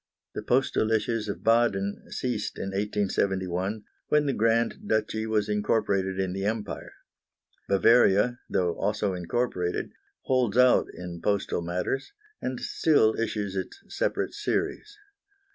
The postal issues of Baden ceased in 1871, when the Grand Duchy was incorporated in the Empire. Bavaria, though also incorporated, holds out in postal matters, and still issues its separate series.